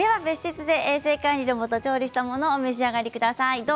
別室で衛生管理のもと調理したものをお召し上がりください。